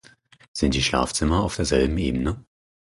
Sind die Schlafzimmer auf der selben Ebene?